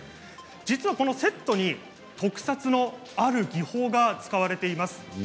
実はこのセット、特撮のある技法が使われています。